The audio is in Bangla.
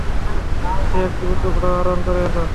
সে একটি উঁচু ঘোড়ায় আরোহণ করে এল।